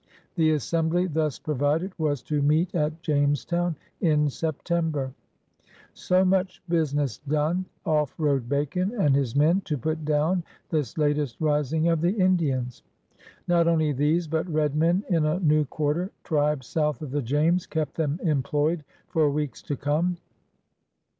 The Assem bly thus provided was to meet at Jamestown in September. So much business done, off rode Bacon and his men to put down this latest rising of the Indians. 180 HONEERS OP THE OLD SOUTH Not only these but red men in a new quarter, tribes south of the James, kept them employed for weeks to come.